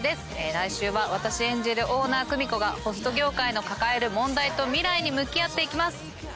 来週は私演じるオーナー久美子がホスト業界の抱える問題と未来に向き合っていきます。